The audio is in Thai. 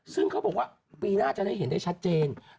ซึ่งเขาบอกว่าปีหน้าจะได้เห็นได้ชัดเจน